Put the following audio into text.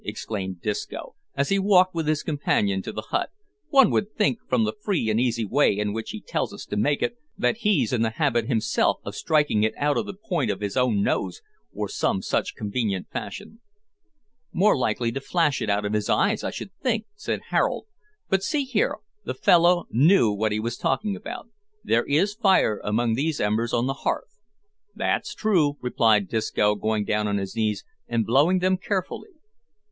exclaimed Disco, as he walked with his companion to the hut; "one would think, from the free and easy way in which he tells us to make it, that he's in the habit himself of striking it out o' the point o' his own nose, or some such convenient fashion." "More likely to flash it out of his eyes, I should think," said Harold; "but, see here, the fellow knew what he was talking about. There is fire among these embers on the hearth." "That's true," replied Disco, going down on his knees, and blowing them carefully.